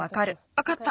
わかった。